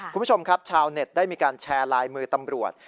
คุณผู้ชมครับชาวเน็ตได้มีการแชร์ลายมือตำรวจ